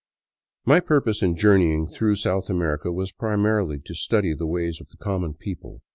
My purpose in journeying through South America was primarily to study the ways of the common people.